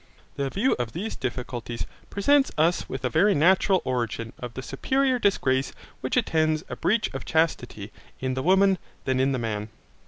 The view of these difficulties presents us with a very natural origin of the superior disgrace which attends a breach of chastity in the woman than in the man.